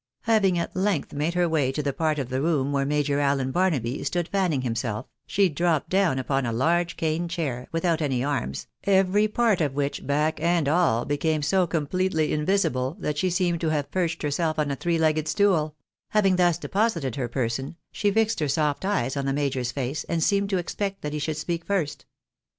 Having at length made her way to the part of the room where Major Allen Barnaby stood fanning himself, she dropped down upon a large cane chair, without any arms, every part of which, back and all, became so completely invisible, that she seemed to have perched herself on a three legged stool — Shaving thus deposited her person, she fixed her soft eyes on the major's face, and seemed to expect that he should speak first.